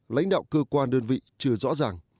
lãnh đạo cơ quan đơn vị chưa rõ ràng